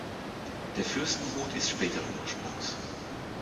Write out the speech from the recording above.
Der Fürstenhut ist späteren Ursprungs.